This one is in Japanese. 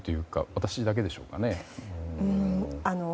私だけでしょうかね。